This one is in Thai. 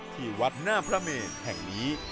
ที่วัดหน้าพระเมรินนี่